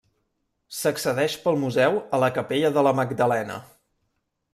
S'accedeix pel museu a la capella de la Magdalena.